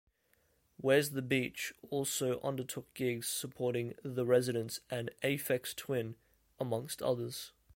Where's the Beach also undertook gigs supporting The Residents and Aphex Twin, amongst others.